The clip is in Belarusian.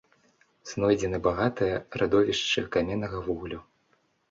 Знойдзены багатыя радовішчы каменнага вуглю.